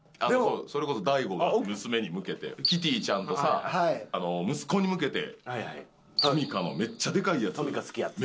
それこそ大悟が娘に向けてキティちゃんとさ息子に向けてトミカのめっちゃでかいやつ